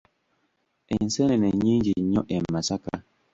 Enseenene nnyingi nnyo e Masaka.